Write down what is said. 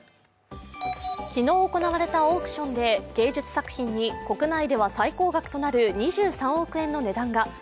昨日行われたオークションで芸術作品に国内では最高額となる２３億円の値段が。